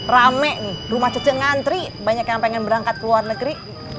rame nih rumah cucu ngantri banyak yang pengen berangkat ke luar negeri